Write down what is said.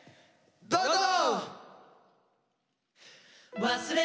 どうぞ！